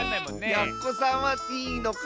「やっこさん」はいいのか。